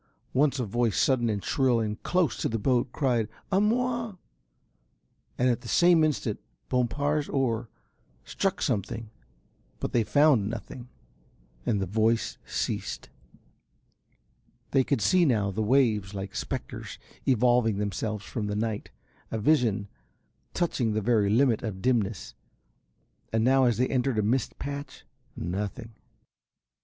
Once a voice sudden and shrill and close to the boat cried "A moi," and at the same instant Bompard's oar struck something, but they found nothing, the voice had ceased. They could see, now, the waves like spectres evolving themselves from the night, a vision touching the very limit of dimness, and now as they entered a mist patch nothing.